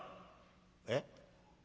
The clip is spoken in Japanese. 「えっ？